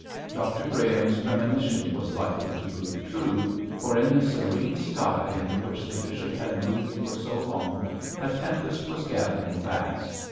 Dr Graham's premonition was likely to prove true, for in the serene sky under which the bishop had moved for so long, a tempest was gathering fast.